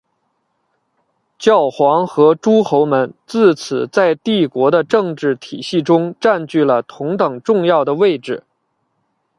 教皇和诸侯们自此在帝国的政治体系中占据了同等重要的位置。